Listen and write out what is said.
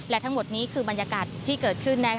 และทั้งหมดนี้คือบรรยากาศที่เกิดขึ้น